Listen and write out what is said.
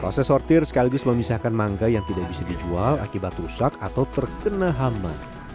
proses sortir sekaligus memisahkan mangga yang tidak bisa dijual akibat rusak atau terkena hamba